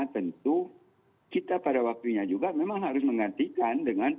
tentu kita pada waktunya juga memang harus menggantikan dengan